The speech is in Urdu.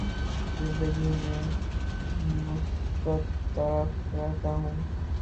زندگی میں مثبت طرف رہتا ہوں